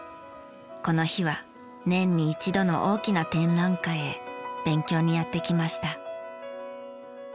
この日は年に一度の大きな展覧会へ勉強にやって来ました。